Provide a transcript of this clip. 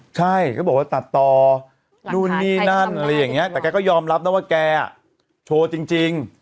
บอลเชทธิ์เชทธิ์เคยบอกว่าตัดต่อนู้นนี่นั่นอะไรอย่างเงี้ยแต่แกก็ยอมรับว่าแกโทรจริง